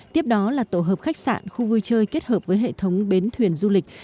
tiếp đó là tổ hợp khách sạn khu vui chơi kết hợp với hệ thống bến thuyền du lịch